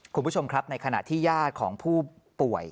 คุณผู้ชมครับในขณะที่ญาติของผู้ป่วย